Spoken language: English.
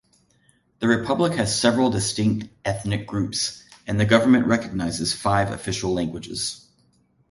The republic has several distinct ethnic groups, and the government recognizes five official languages.